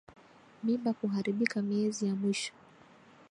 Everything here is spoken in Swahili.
Mimba kuharibika miezi ya mwisho